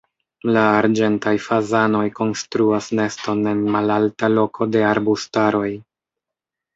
La arĝentaj fazanoj konstruas neston en malalta loko de arbustaroj.